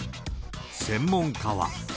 専門家は。